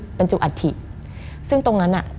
มันกลายเป็นรูปของคนที่กำลังขโมยคิ้วแล้วก็ร้องไห้อยู่